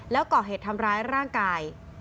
แล้วก่อเหตุทำร้ายร่างกาย